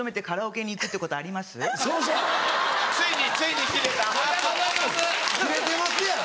キレてますやん。